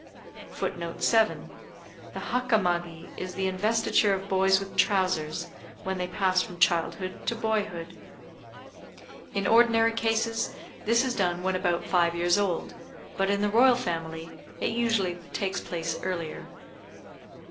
"] [Footnote 7: The Hakamagi is the investiture of boys with trousers, when they pass from childhood to boyhood. In ordinary cases, this is done when about five years old, but in the Royal Family, it usually takes place earlier.